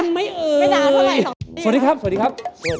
สวัสดีครับ